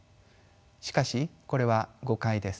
しかしこれは誤解です。